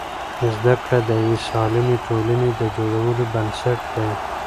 زده کړه د یوې سالمې ټولنې د جوړولو بنسټ دی.